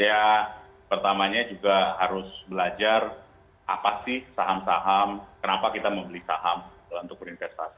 ya pertamanya juga harus belajar apa sih saham saham kenapa kita membeli saham untuk berinvestasi